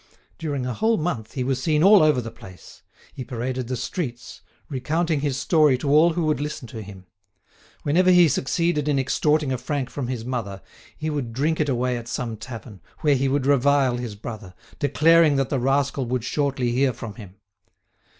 During a whole month he was seen all over the place. He paraded the streets, recounting his story to all who would listen to him. Whenever he succeeded in extorting a franc from his mother, he would drink it away at some tavern, where he would revile his brother, declaring that the rascal should shortly hear from him.